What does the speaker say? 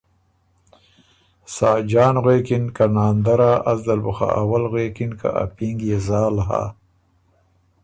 ساجان غوېکِن که ”ناندره! از دل بُو خه اول غوېکِن که ا پینګ يې زال هۀ۔